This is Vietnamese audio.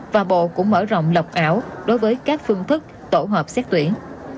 và bộ cũng mở rộng lọc ảo đối với các phương thức tổ hợp xét tuyển